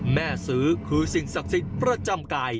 แม่ซื้อคือสิ่งศักดิ์สิทธิ์ประจำกาย